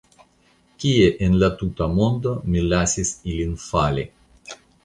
Kie en la tuta mondo mi lasis ilin fali?